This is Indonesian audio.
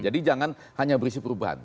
jadi jangan hanya berisi perubahan